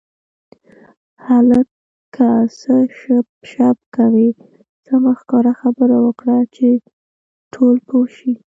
هلکه څه شپ شپ کوې سمه ښکاره خبره وکړه چې ټول پوه شي.